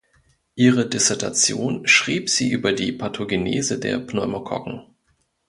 Ihre Dissertation schrieb sie über die Pathogenese der Pneumokokken.